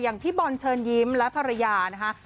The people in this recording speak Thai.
พี่บอลเชิญยิ้มและภรรยานะคะ